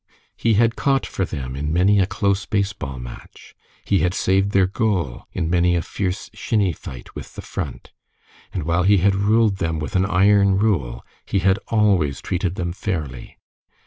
He had caught for them in many a close base ball match; he had saved their goal in many a fierce shinny fight with the Front; and while he had ruled them with an iron rule, he had always treated them fairly.